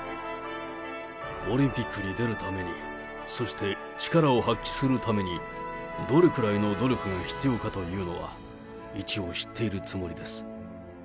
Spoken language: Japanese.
オリンピックに出るために、そして力を発揮するために、どれくらいの努力が必要かというのは、一応、知ってるつもりです。